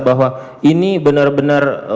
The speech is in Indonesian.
bahwa ini benar benar